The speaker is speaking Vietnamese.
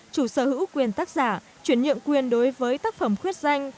chủ sở hữu quyền tác giả chuyển nhượng quyền đối với tác phẩm khuyết danh